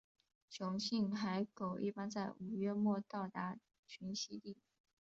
雄性海狗一般在五月末到达群栖地。